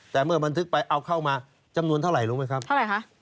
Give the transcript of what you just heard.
แต่เมื่อบันทึกไปเอาเข้ามาจำนวนเท่าไหร่รู้ไหมครับเท่าไหร่คะ